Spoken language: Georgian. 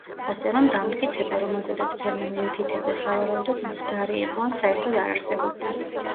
ასე რომ, დამტკიცება, რომელზედაც ფერმა მიუთითებდა, სავარაუდოდ მცდარი იყო ან საერთოდ არ არსებობდა.